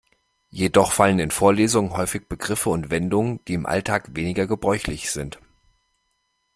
Jedoch fallen in Vorlesungen häufig Begriffe und Wendungen, die im Alltag weniger gebräuchlich sind.